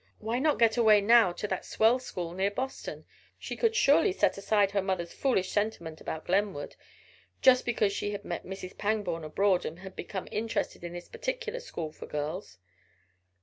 Why not get away now to that swell school near Boston? She could surely set aside her mother's foolish sentiment about Glenwood, just because she had met Mrs. Pangborn abroad and had become interested in this particular school for girls.